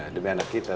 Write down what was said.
demi anak kita